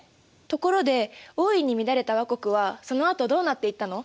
ところで大いに乱れた倭国はそのあとどうなっていったの？